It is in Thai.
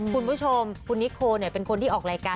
คุณผู้ชมคุณนิโคเป็นคนที่ออกรายการ